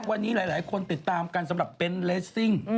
วันนี้หลายคนติดตามกันสำหรับเบ้นเลสซิ่ง